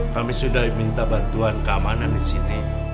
kami sudah minta bantuan keamanan di sini